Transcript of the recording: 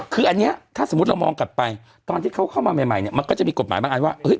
คืออันนี้ถ้าสมมุติเรามองกลับไปตอนที่เขาเข้ามาใหม่เนี่ยมันก็จะมีกฎหมายบางอันว่า